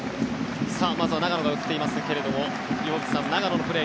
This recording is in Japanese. まずは長野が映っていますが岩渕さん、長野のプレー